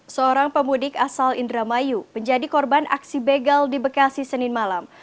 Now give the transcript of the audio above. seorang pemudik asal indramayu menjadi korban aksi begal di bekasi senin malam